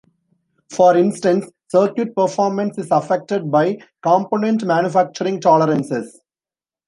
For instance, circuit performance is affected by component manufacturing tolerances.